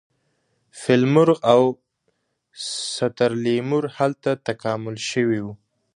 فیل مرغ او ستر لیمور هلته تکامل شوي وو.